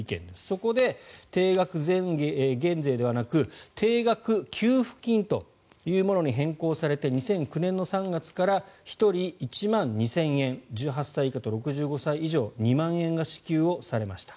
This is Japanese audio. そこで定額減税ではなく定額給付金というものに変更されて２００９年の３月から１人１万２０００円１８歳以下と６５歳以上２万円が支給されました。